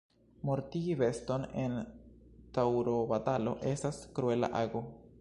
Mortigi beston en taŭrobatalo estas kruela ago.